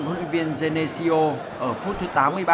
hội viên genesio ở phút thứ tám mươi ba